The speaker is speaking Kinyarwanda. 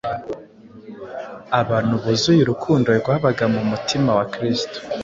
abantu buzuye urukundo rwabaga mu mutima wa Kristo.